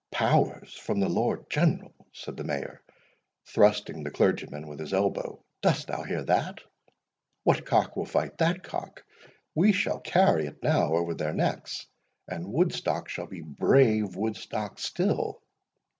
"Powers from the Lord General!" said the Mayor, thrusting the clergy man with his elbow—"Dost thou hear that?—What cock will fight that cock?— We shall carry it now over their necks, and Woodstock shall be brave Woodstock still!"